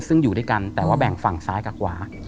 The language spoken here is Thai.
ซึ่งอยู่ด้วยกันแต่ว่าแบ่งฝั่งซ้ายกับขวา